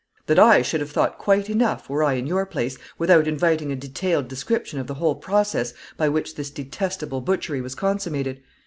"That I should have thought quite enough, were I in your place, without inviting a detailed description of the whole process by which this detestable butchery was consummated.